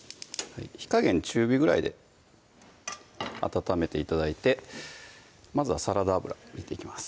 火加減中火ぐらいで温めて頂いてまずはサラダ油入れていきます